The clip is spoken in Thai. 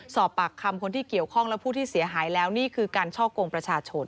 สอบปากคำคนที่เกี่ยวข้องและผู้ที่เสียหายแล้วนี่คือการช่อกงประชาชน